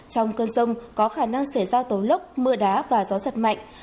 trong cơn rông có khả năng xảy ra tố lốc mưa đá và gió giật mạnh